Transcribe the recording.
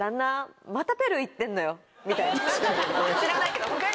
知らないけど。